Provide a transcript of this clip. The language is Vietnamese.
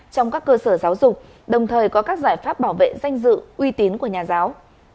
trong các cơ sở giáo dục đồng thời có các giải pháp bảo vệ danh dự uy tín của nhà giáo